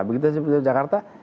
begitu seperti di jakarta